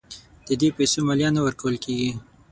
د دې پیسو مالیه نه ورکول کیږي.